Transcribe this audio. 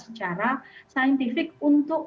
secara saintifik untuk